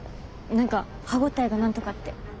何か歯ごたえがなんとかって。